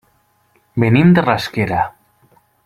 Venim de Rasquera.